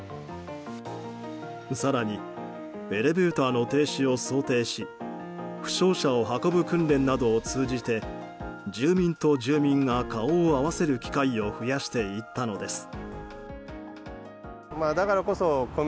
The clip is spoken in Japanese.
更にエレベーターの停止を想定し負傷者を運ぶ訓練などを通じて住民と住民が顔を合わせる機会を増やしていったのです。